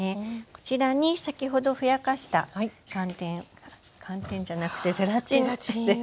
こちらに先ほどふやかした寒天寒天じゃなくてゼラチンです。